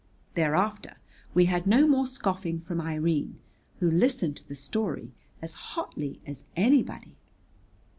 Thereafter we had no more scoffing from Irene, who listened to the story as hotly as anybody.